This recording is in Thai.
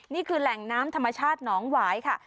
นี่คือแหล่งน้ำธรรมชาติหนองหวายค่ะ